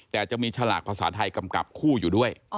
แต่จะมีฉลากภาษาไทยกำกับคู่อยู่ด้วย